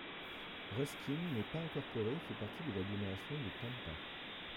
Ruskin n’est pas incorporée et fait partie de l’agglomération de Tampa.